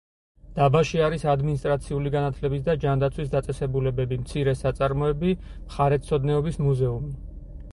დაბაში არის ადმინისტრაციული, განათლების და ჯანდაცვის დაწესებულებები, მცირე საწარმოები, მხარეთმცოდნეობის მუზეუმი.